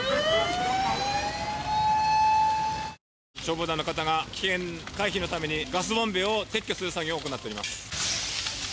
消防団の方が危険回避のためにガスボンベを撤去する作業を行っています。